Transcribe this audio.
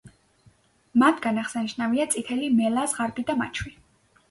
მათგან აღსანიშნავია წითელი მელა, ზღარბი და მაჩვი.